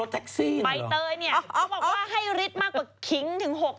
จากนี้ไม่รู้ดูกินชาบู